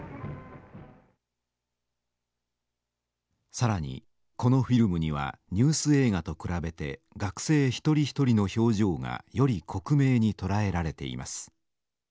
更にこのフィルムにはニュース映画と比べて学生一人一人の表情がより克明に捉えられています。